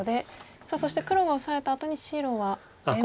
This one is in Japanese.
さあそして黒がオサえたあとに白は出まして。